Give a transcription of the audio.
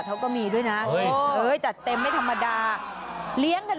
พวกเขาทำอะไรกัน